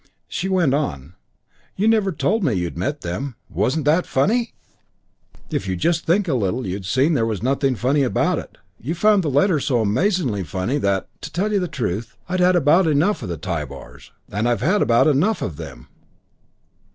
She went on, "You never told me you'd met them. Wasn't that funny?" "If you'd just think a little you'd see there was nothing funny about it. You found the letter so amazingly funny that, to tell you the truth, I'd had about enough of the Tybars. And I've had about enough of them."